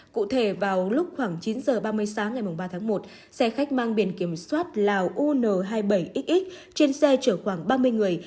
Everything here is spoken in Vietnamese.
cụ thể vào lúc khoảng chín h ba mươi sáng ngày ba tháng một xe khách mang biển kiểm soát lào un hai mươi bảy x trên xe chở khoảng ba mươi người